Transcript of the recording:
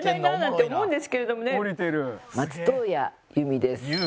松任谷由実です。